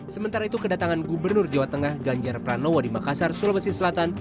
sementara itu kedatangan gubernur jawa tengah ganjar pranowo di makassar sulawesi selatan